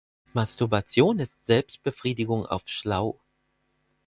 Masturbation ist Selbstbefriedigung auf schlau.